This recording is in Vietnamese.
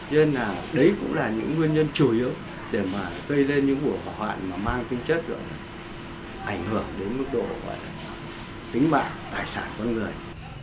cho nên là đấy cũng là những nguyên nhân chủ yếu để mà cây lên những vụ hỏa hoạ mà mang tinh chất ảnh hưởng đến mức độ tính bạc tài sản con người